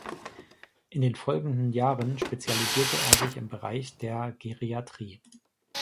In den folgenden Jahren spezialisierte er sich im Bereich der Geriatrie.